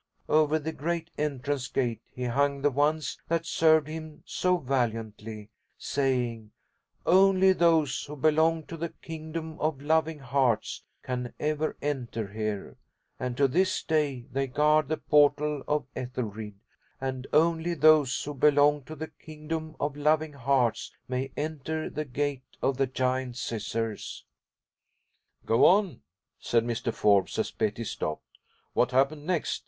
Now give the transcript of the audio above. Over the great entrance gate he hung the ones that served him so valiantly, saying, 'Only those who belong to the kingdom of loving hearts can ever enter here'; and to this day they guard the portal of Ethelried, and only those who belong to the kingdom of loving hearts may enter the Gate of the Giant Scissors." "Go on," said Mr. Forbes, as Betty stopped. "What happened next?